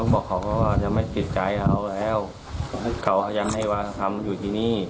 บอกเขาว่าจะไม่สิทธิ์ใจเราแล้วเค้ายังให้วางคำอยู่ที่นี่